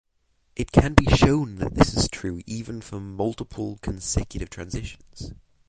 It can be shown that this is true even for multiple consecutive transitions.